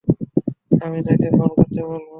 আমি তাকে ফোন করতে বলবো।